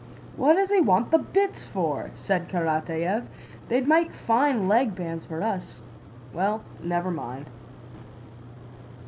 "What does he want the bits for?" said Karatáev. "They'd make fine leg bands for us. Well, never mind."